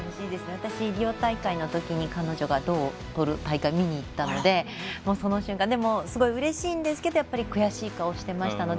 私、リオ大会のときに彼女が銅をとる大会を見にいったのでそのときすごいうれしいんですけど悔しい顔をしていましたので。